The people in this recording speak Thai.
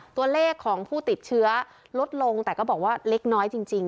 ตัวเลขของผู้ติดเชื้อลดลงแต่ก็บอกว่าเล็กน้อยจริง